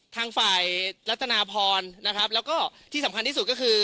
ทางฝ่ายรัฐนาพรนะครับแล้วก็ที่สำคัญที่สุดก็คือ